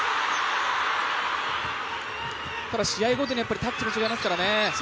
ただ試合ごとにタッチも違いますからね。